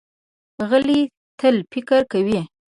غلی، تل فکر کوي.